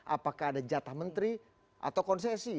apakah ada jatah menteri atau konsesi